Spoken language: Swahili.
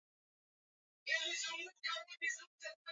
Leo tuta letatu mbele kipande ya ma shoka na bingine